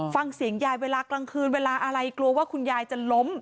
ฟังเสียงยายเวลากลางคืนเวลาอะไรกลัวว่าคุณยายจะล้ม